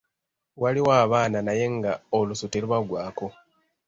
Waliwo abanaaba naye nga olusu telubaggwaako.